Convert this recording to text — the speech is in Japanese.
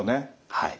はい。